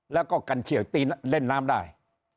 แล้วก็กันเฉียวตีเล่นน้ำได้